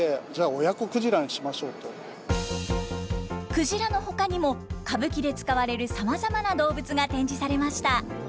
クジラのほかにも歌舞伎で使われるさまざまな動物が展示されました。